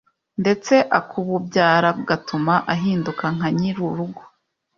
ndetse ak’ububyara gatuma ahinduka nka nyirurugo.